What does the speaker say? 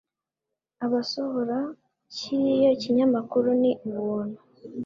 abasohora kiriya kinyamakuru ni ubuntu